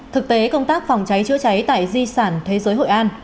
thực tế công tác phòng cháy chữa cháy tại di sản thế giới hội an